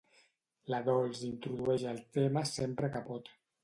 La Dols introdueix el tema sempre que pot.